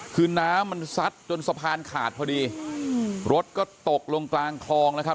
คือน้ำมันซัดจนสะพานขาดพอดีรถก็ตกลงกลางคลองแล้วครับ